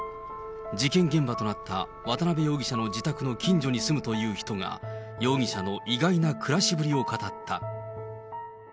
事件現場となった渡辺容疑者の自宅の近所に住むという人が、容疑者の意外な暮らしぶりを語った。